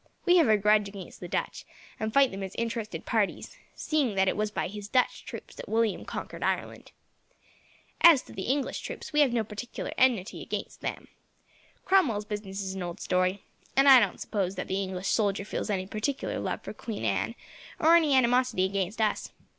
We have a grudge against the Dutch, and fight them as interested parties, seeing that it was by his Dutch troops that William conquered Ireland. As to the English troops, we have no particular enmity against them. Cromwell's business is an old story, and I don't suppose that the English soldier feels any particular love for Queen Anne, or any animosity against us.